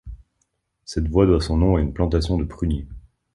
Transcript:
Cette voie doit son nom à une plantation de pruniers.